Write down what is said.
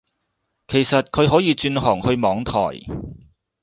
其實佢可以轉行去網台